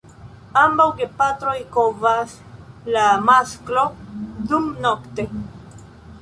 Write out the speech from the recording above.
Ambaŭ gepatroj kovas, la masklo dumnokte.